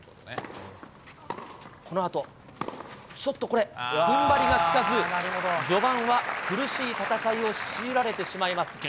このあと、ショット、これ、ふんばりが効かず、序盤は苦しい戦いを強いられてしまいます。